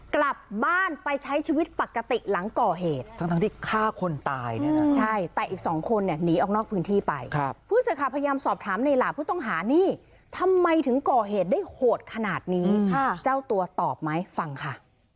กลับมาทำสอบถามในหลาดผู้ต้องหานี่ทำไมถึงก่อเหตุได้โหดขนาดนี้เจ้าตัวตอบไหมฟังค่ะ